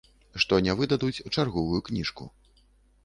Што не выдадуць чарговую кніжку.